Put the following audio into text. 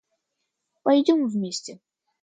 Пойдем вместе.